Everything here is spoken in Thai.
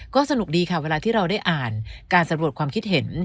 ก็สนุกดีค่ะเวลาที่เราได้อ่านการสำรวจความคิดเห็น